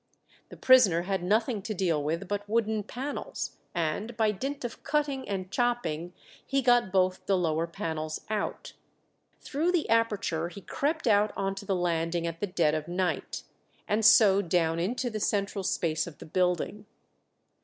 The prisoner had nothing to deal with but wooden panels, and by dint of cutting and chopping he got both the lower panels out. Through the aperture he crept out on to the landing at the dead of night, and so down into the central space of the building.